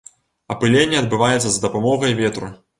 Апыленне адбываецца з дапамогай ветру.